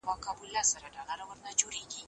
روغتیا پوهان لا هم پوره نه پوهیږي.